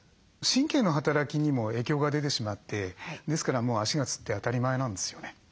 神経の働きにも影響が出てしまってですからもう足がつって当たり前なんですよね。